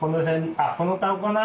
あっこの顔かな。